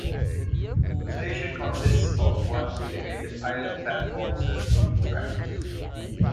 The station consists of one elevated island platform serving two tracks.